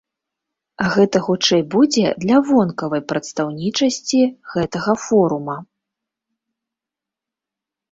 Гэта хутчэй будзе для вонкавай прадстаўнічасці гэтага форума.